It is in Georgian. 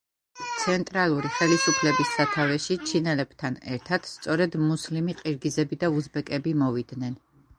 ცენტრალური ხელისუფლების სათავეში ჩინელებთან ერთად სწორედ მუსლიმი ყირგიზები და უზბეკები მოვიდნენ.